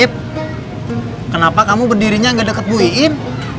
ip kenapa kamu berdirinya gak deket bu iin